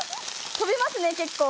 飛びますね結構。